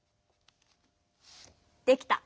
できた。